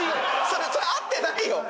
それ会ってないよ。